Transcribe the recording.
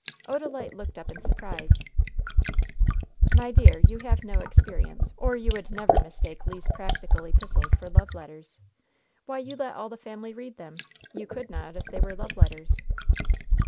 Odalite looked up in surprise. "My dear, you have no experience, or you would never mistake Le's practical epistles for love letters. Why, you let all the family read them! You could not if they were love letters."